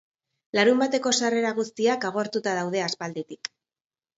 Larunbateko sarrera guztiak agortuta daude aspalditik.